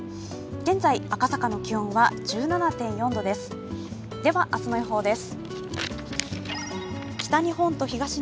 現在、赤坂の気温は１７．４度です。